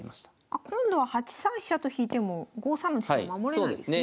あ今度は８三飛車と引いても５三の地点守れないですね。